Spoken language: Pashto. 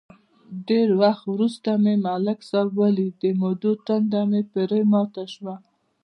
ډېر وخت ورسته مې ملک صاحب ولید، د مودو تنده مې پرې ماته شوه.